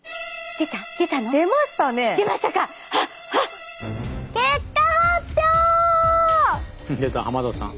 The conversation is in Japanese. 出た浜田さん。